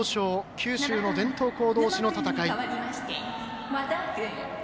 九州の伝統校同士の戦い。